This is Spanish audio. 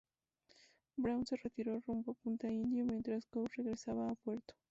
Brown se retiró rumbo a Punta Indio mientras Coe regresaba a puerto.